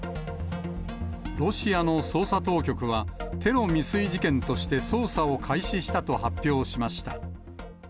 ロシアの捜査当局は、テロ未遂事件として捜査を開始したと発表しました。